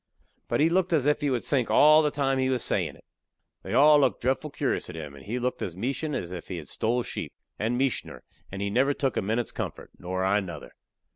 But he looked as if he would sink all the time he was a sayin' it. They all looked dretful curious at him, and he looked as meachin' as if he had stole sheep and meachin'er and he never took a minute's comfort, nor I nuther.